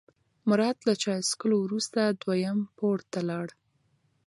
مراد له چای څښلو وروسته دویم پوړ ته لاړ.